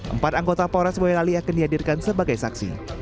empat anggota polres boyolali akan dihadirkan sebagai saksi